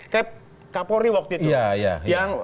kep kaporri waktu itu